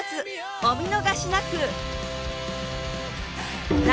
お見逃しなく！